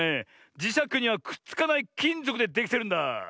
じしゃくにはくっつかないきんぞくでできてるんだ。